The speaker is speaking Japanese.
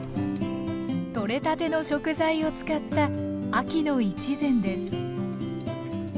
取れたての食材を使った秋の一膳です